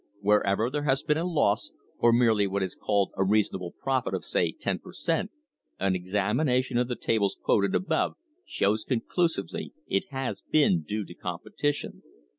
Wherever there has been a loss, or merely what is called a reasonable profit of, say, ten per cent., an examination of the tables quoted above shows conclusively it has been due to competition.